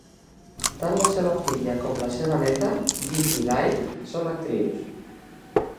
Tant la seva filla com la seva neta, Gigi Lai, són actrius.